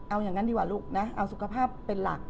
เอาอย่างนั้นดีกว่าลูกนะเอาสุขภาพเป็นหลัก